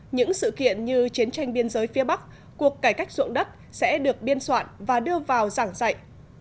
những sự kiện như chiến tranh biên giới phía bắc cuộc cải cách dụng đất sẽ được biên soạn và đưa vào giảng dạy